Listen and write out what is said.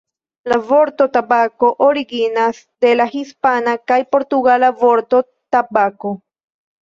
La vorto tabako originas de la hispana kaj portugala vorto "tabako".